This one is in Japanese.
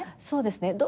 そうですね。